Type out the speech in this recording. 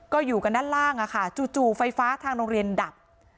ก็อยู่กันด้านล่างอะค่ะจู่ไฟฟ้าทางโรงเรียนดับ